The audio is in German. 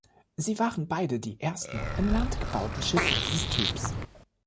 Sie waren beide die ersten im Land gebauten Schiffe dieses Typs.